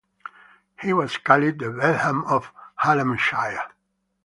He was called the "Bentham of Hallamshire".